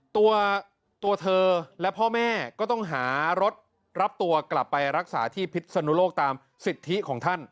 ตัวเธอและพ่อแม่ก็ต้องหารถรับตัวกลับไปรักษาที่พิษนุโลกตามสิทธิของท่าน